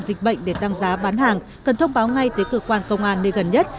dịch bệnh để tăng giá bán hàng cần thông báo ngay tới cơ quan công an nơi gần nhất